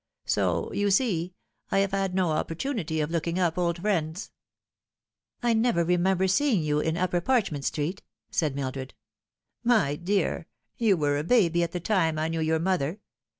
So, you see, I have had no opportunity of looking up old friends." " I never remember seeing you in Upper Parchment Street," said Mildred. "My dear, you were a baby at the time I knew your mother.